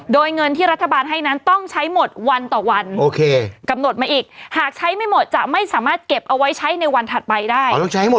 โดยเงินที่รัฐบาลให้นั้นต้องใช้หมดวันต่อวันโอเคกำหนดมาอีกหากใช้ไม่หมดจะไม่สามารถเก็บเอาไว้ใช้ในวันถัดไปได้